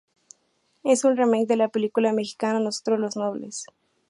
Es un remake de la película de mexicana, "Nosotros, los Nobles".